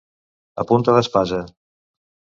A punta d'espasa.